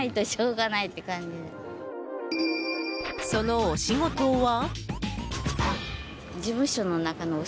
そのお仕事は？